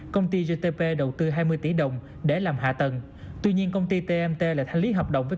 công ty gtp đầu tư hai mươi tỷ đồng để làm hạ tầng tuy nhiên công ty tmt lại thanh lý hợp đồng với